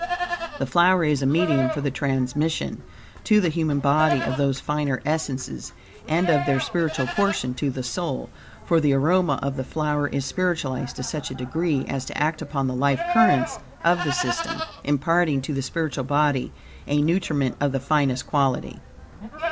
The flower is a medium for the transmission to the human body of those finer essences, and of THEIR SPIRITUAL PORTION TO THE SOUL; for the aroma of the flower is spiritualized to such a degree as to act upon the life currents of the system, imparting to the spiritual body a nutriment of the finest quality."